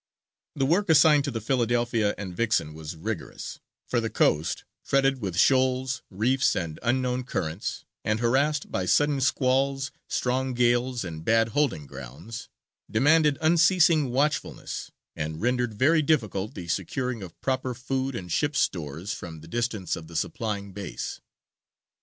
The work assigned to the Philadelphia and Vixen was rigorous, for the coast fretted with shoals, reefs, and unknown currents, and harassed by sudden squalls, strong gales, and bad holding grounds demanded unceasing watchfulness, and rendered very difficult the securing of proper food and ship's stores from the distance of the supplying base.